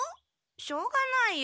しょうがないよ。